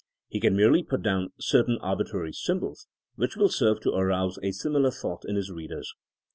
He can merely put down certain arbitrary symbols, which will serve to arouse a similar thought in his readers.